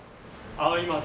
合います！